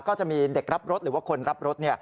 ก็จะมีเด็กรับรถหรือว่าคนรับรถ